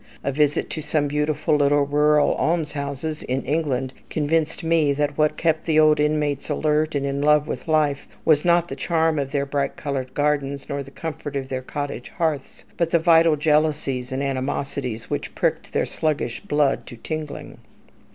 A visit to some beautiful little rural almshouses in England convinced me that what kept the old inmates alert and in love with life was, not the charm of their bright coloured gardens, nor the comfort of their cottage hearths, but the vital jealousies and animosities which pricked their sluggish blood to tingling.